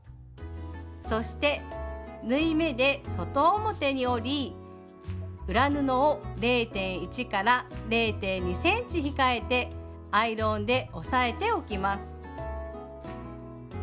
そして縫い目で外表に折り裏布を０．１０．２ｃｍ控えてアイロンで押さえておきます。